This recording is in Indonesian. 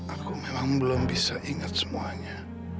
aku memang belum bisa ingat semuanya